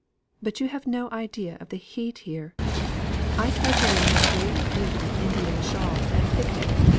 But you have no idea of the heat here! I tried to wear my great beauty Indian shawl at a pic nic.